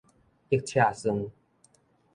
溢刺酸